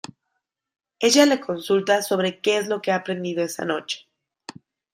Ella le consulta sobre que es lo que ha aprendido esa noche.